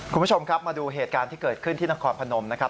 คุณผู้ชมครับมาดูเหตุการณ์ที่เกิดขึ้นที่นครพนมนะครับ